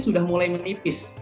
sudah mulai menipis